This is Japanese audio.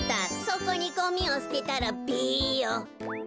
そこにゴミをすてたらべーよ」。